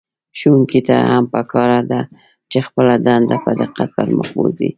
ښوونکي ته هم په کار ده چې خپله دنده په دقت پر مخ بوځي.